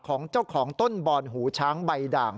ของเจ้าของต้นบอนหูช้างใบด่าง